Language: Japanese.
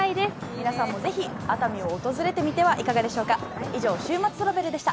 皆さんもぜひ熱海を訪れてみてはいかがでしょうか。